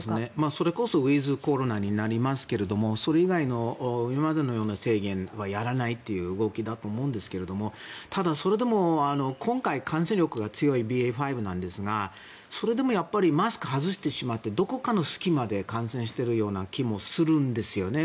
それこそウィズコロナになりますけれどもそれ以外の今までのような制限はやらないという動きだと思うんですがただ、それでも今回感染力が強いＢＡ．５なんですがそれでもやっぱりマスクを外してしまってどこかの隙間で感染しているような気もするんですよね。